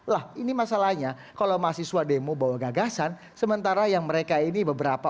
lah ini masalahnya kalau mahasiswa demo bawa gagasan sementara yang mereka ini beberapa